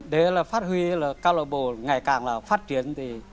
để phát huy câu lạc bộ ngày càng phát triển